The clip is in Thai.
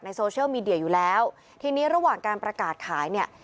โซเชียลมีเดียอยู่แล้วทีนี้ระหว่างการประกาศขายเนี่ย